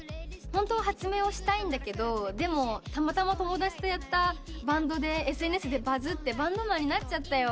ホントは発明をしたいんだけどたまたま友達とやったバンドでＳＮＳでバズってバンドマンになっちゃったよ。